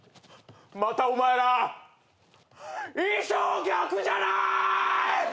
またお前ら衣装逆じゃない！？